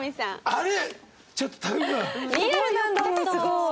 あれ。